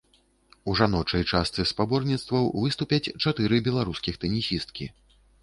У жаночай частцы спаборніцтваў выступяць чатыры беларускіх тэнісісткі.